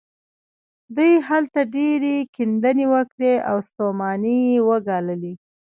دوی هلته ډېرې کيندنې وکړې او ستومانۍ يې وګاللې.